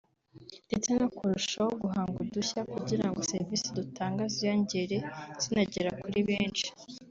ndetse no kurushaho guhanga udushya kugira ngo serivisi dutanga ziyongere zinagera kuri benshi